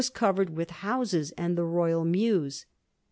covered with houses and the royal mews.